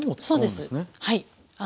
そうですはい。